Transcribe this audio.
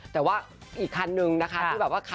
แต่ว่าอีกคันนึงนะคะ